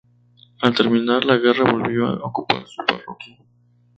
Al terminar la guerra volvió a ocupar su parroquia.